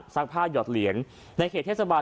ผ้าหยอดเหรียญในเขตเทศบาล